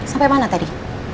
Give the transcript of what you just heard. sampai mana tadi